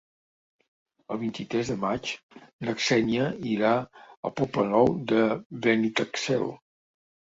El vint-i-tres de maig na Xènia irà al Poble Nou de Benitatxell.